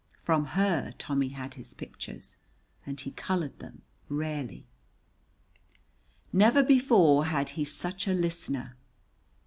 From her Tommy had his pictures, and he colored them rarely. Never before had he such a listener.